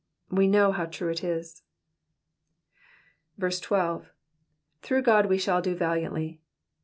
We know how true it is. 12. ''''Through God we shall do valiantly.''''